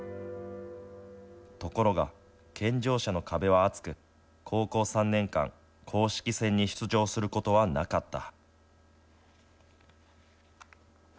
ところが、健常者の壁は厚く高校３年間、公式戦に出場することはなかった。